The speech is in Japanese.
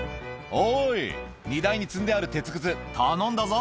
おーい、荷台に積んである鉄くず、頼んだぞ。